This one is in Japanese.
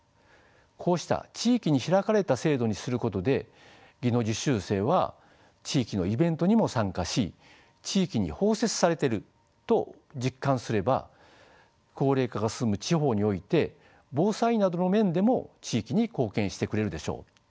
こうした地域に開かれた制度にすることで技能実習生は地域のイベントにも参加し地域に包摂されてると実感すれば高齢化が進む地方において防災などの面でも地域に貢献してくれるでしょう。